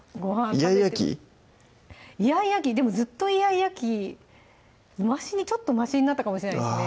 イヤイヤ期？イヤイヤ期でもずっとイヤイヤ期ちょっとましになったかもしれないですね